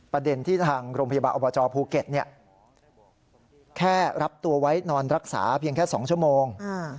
ประเด็นที่ทางโรงพยาบาลอบจภูเก็ตแค่รับตัวไว้นอนรักษาเพียงแค่๒ชั่วโมง